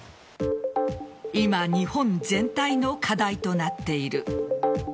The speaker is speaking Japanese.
今、日本全体の課題となっている。